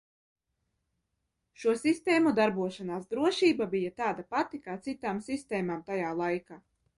Šo sistēmu darbošanās drošība bija tāda pati kā citām sadzīves lietām tajā laikā.